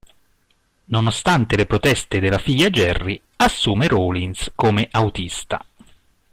Nonostante le proteste della figlia Jerry, assume Rawlins come autista.